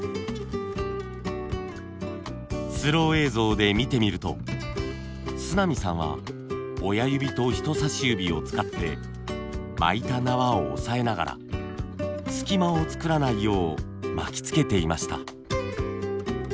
スロー映像で見てみると須浪さんは親指と人さし指を使って巻いた縄を押さえながら隙間を作らないよう巻きつけていました。